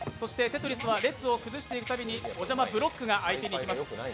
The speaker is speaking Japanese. テトリスは列を崩していくたびにお邪魔ブロックが相手に行きます。